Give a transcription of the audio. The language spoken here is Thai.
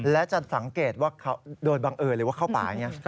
และจะสังเกตว่าโดนบังเอิญหรือว่าเข้าป่าอย่างนี้